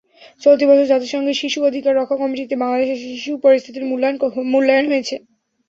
চলতি বছর জাতিসংঘের শিশু অধিকার রক্ষা কমিটিতে বাংলাদেশের শিশু পরিস্থিতির মূল্যায়ন হয়েছে।